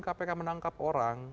kpk menangkap orang